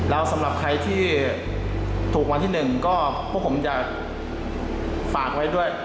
แล้วสำหรับใครที่ถูกวันที่๑ก็พวกผมจะฝากไว้ด้วย